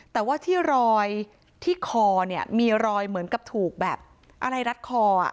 แต่ว่าที่รอยที่คอเนี่ยมีรอยเหมือนกับถูกแบบอะไรรัดคอ